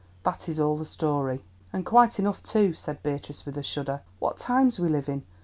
That is all the story." "And quite enough, too," said Beatrice with a shudder. "What times we live in!